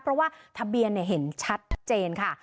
เพราะว่าทะเบียนเห็นชัดเจนค่ะ